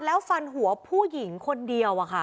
แล้วฟันหัวผู้หญิงคนเดียว